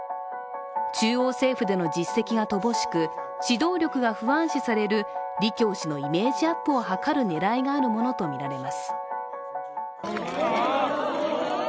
中央政府での実績が乏しく指導力が不安視される李強氏のイメージアップを図る狙いがあるものとみられます。